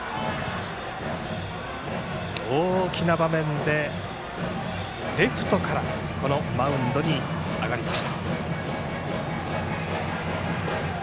大きな場面でレフトからこのマウンドに上がりました。